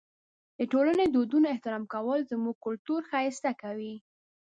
د ټولنې د دودونو احترام کول زموږ کلتور ښایسته کوي.